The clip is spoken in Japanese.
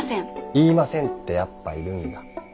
「言いません」ってやっぱいるんだ。